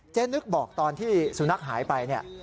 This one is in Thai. เจ๊นึกบอกตอนที่สุนัขหายไป